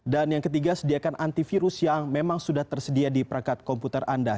dan yang ketiga sediakan antivirus yang memang sudah tersedia di perangkat komputer anda